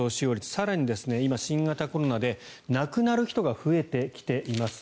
更に今、新型コロナで亡くなる人が増えてきています。